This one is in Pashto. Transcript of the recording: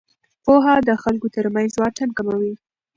پوهه د خلکو ترمنځ واټن کموي.